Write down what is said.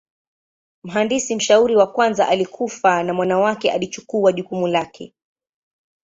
Mhandisi mshauri wa kwanza alikufa na mwana wake alichukua jukumu lake.